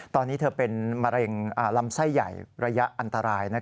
ตอนนี้เธอเป็นมะเร็งลำไส้ใหญ่ระยะอันตราย